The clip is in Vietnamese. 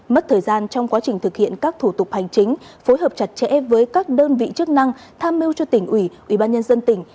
mất thời gian trong quá trình thực hiện các thủ tục hành chính phối hợp chặt chẽ với các đơn vị chức năng tham mưu cho tỉnh ủy ủy ban nhân dân tỉnh